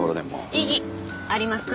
異議ありますか？